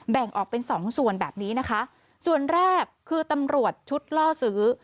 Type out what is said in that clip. แบ่งออกเป็นสองส่วนแบบนี้นะคะส่วนแรกคือตำรวจชุดล่อซื้อ